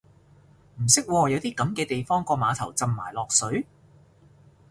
唔識喎，有啲噉嘅地方個碼頭浸埋落水？